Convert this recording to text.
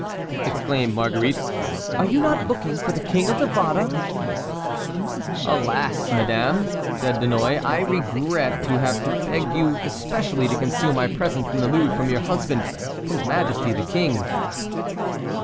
exclaimed Marguerite, "are you not looking for the King of Navarre?" "Alas, madame," said De Mouy, "I regret to have to beg you especially to conceal my presence in the Louvre from your husband, his majesty the king."